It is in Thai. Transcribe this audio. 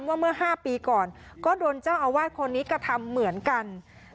เมื่อ๕ปีก่อนก็โดนเจ้าอาวาสคนนี้กระทำเหมือนกัน